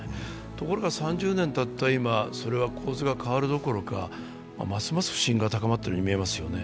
ところが３０年たった今構図が変わるどころかますます不信が高まっているようにみえますよね。